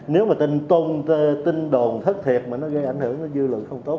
nếu mà tin tôn tin đồn thất thiệt mà nó gây ảnh hưởng dư luận không tốt